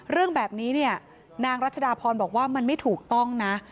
เรื่องแบบนี้เนี่ยนางรัชดาพรบอกว่ามันไม่ถูกต้องนะ